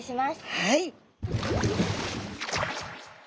はい。